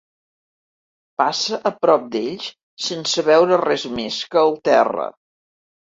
Passa a prop d'ells sense veure res més que el terra.